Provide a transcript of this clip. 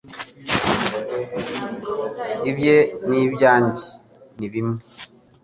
ibye n'ibyanjye ni bimwe